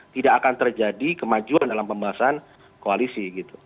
tidak akan terjadi kemajuan dalam pembahasan koalisi gitu